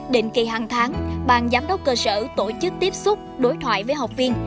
định kỳ hàng tháng bàn giám đốc cơ sở tổ chức tiếp xúc đối thoại với học viên